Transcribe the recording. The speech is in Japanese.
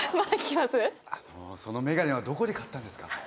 あのその眼鏡はどこで買ったんですか？